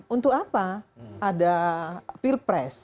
untuk apa ada peer press